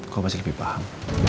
kamu pasti lebih paham